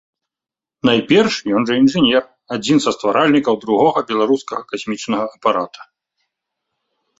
Найперш, ён жа інжынер, адзін са стваральнікаў другога беларускага касмічнага апарата.